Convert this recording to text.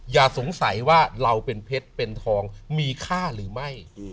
อย่าสงสัยว่าเราเป็นเพชรเป็นทองมีค่าหรือไม่